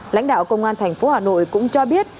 lãnh đạo công an thành phố hà nội cũng cho biết